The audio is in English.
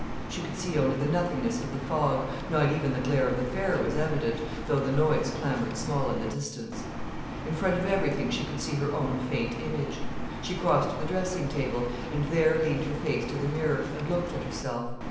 She could see only the nothingness of the fog; not even the glare of the fair was evident, though the noise clamoured small in the distance. In front of everything she could see her own faint image. She crossed to the dressing table, and there leaned her face to the mirror, and looked at herself.